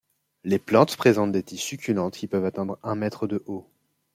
Les plantes présentent des tiges succulentes qui peuvent atteindre un mètre de haut.